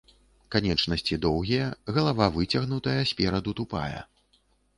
Канечнасці доўгія, галава выцягнутая, спераду тупая.